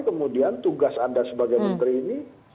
kemudian tugas anda sebagai menteri ini